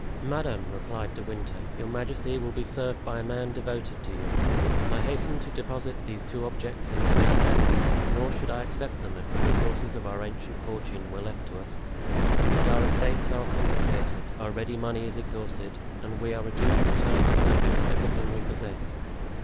"Madame," replied De Winter, "your majesty will be served by a man devoted to you. I hasten to deposit these two objects in a safe place, nor should I accept them if the resources of our ancient fortune were left to us, but our estates are confiscated, our ready money is exhausted, and we are reduced to turn to service everything we possess.